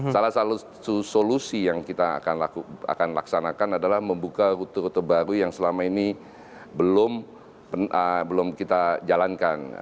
salah satu solusi yang kita akan laksanakan adalah membuka rute rute baru yang selama ini belum kita jalankan